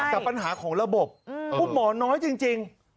แต่ปัญหาของระบบคุณหมอน้อยจริง